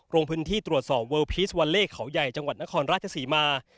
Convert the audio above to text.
ลงพื้นที่ตรวจสอบเวิลพีสวัลเล่เขาใหญ่จังหวัดนครราชศรีมา